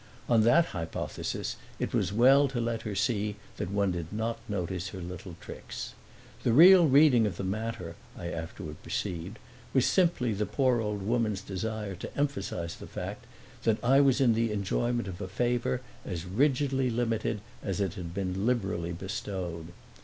On that hypothesis it was well to let her see that one did not notice her little tricks. The real reading of the matter, I afterward perceived, was simply the poor old woman's desire to emphasize the fact that I was in the enjoyment of a favor as rigidly limited as it had been liberally bestowed.